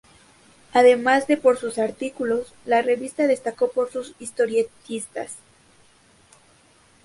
Además de por sus artículos, la revista destacó por sus historietistas.